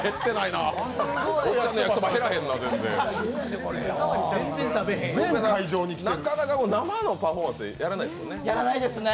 なかなか生のパフォーマンスなんてやらないですよね？